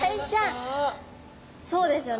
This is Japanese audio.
そうですよね